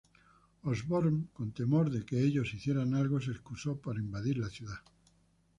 Osborn con temor de que ellos hicieran algo, se excusó para invadir la ciudad.